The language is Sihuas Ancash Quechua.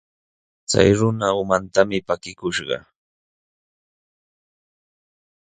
Chay runa umantami pakikushqa.